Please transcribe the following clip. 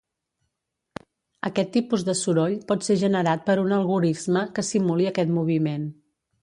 Aquest tipus de soroll pot ser generat per un algorisme que simuli aquest moviment.